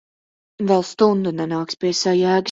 Vēl stundu nenāks pie sajēgas.